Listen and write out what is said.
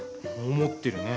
思ってるね。